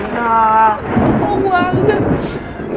gak tau gue enggak